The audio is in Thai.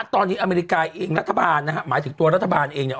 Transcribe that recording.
ตอนนี้อเมริกาเองรัฐบาลนะฮะหมายถึงตัวรัฐบาลเองเนี่ย